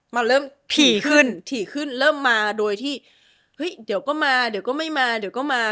มันเริ่มถี่ขึ้นถี่ขึ้นเริ่มมาโดยที่เฮ้ยเดี๋ยวก็มาเดี๋ยวก็ไม่มาเดี๋ยวก็มา